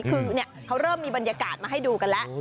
คือเขาเริ่มมีบรรยากาศมาให้ดูกันแล้ว